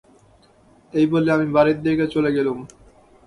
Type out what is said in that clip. এই বলে আমি বাড়ির দিকে চলে গেলুম।